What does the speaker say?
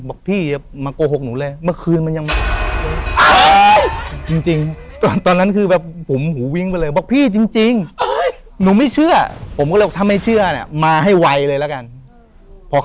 บอกพี่อย่ามาโกหกหนูเลยเมื่อคืนมันยัง